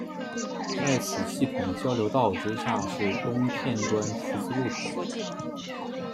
在此系统交流道之下是东片端十字路口。